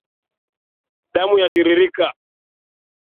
Damu yatiririka